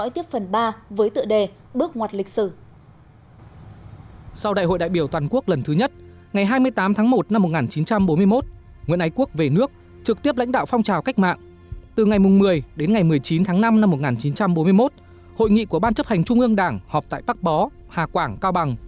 từ ngày một mươi đến ngày một mươi chín tháng năm năm một nghìn chín trăm bốn mươi một hội nghị của ban chấp hành trung ương đảng họp tại bắc bó hà quảng cao bằng